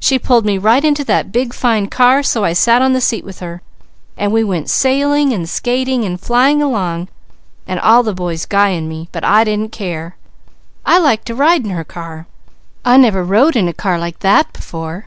She pulled me right into that big fine car, so I sat on the seat with her, and we went sailing, and skating, and flying along and all the boys guying me, but I didn't care! I like to ride in her car! I never rode in a car like that before.